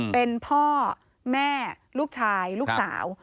เป็นพ่อแม่ลูกชายลูกสาว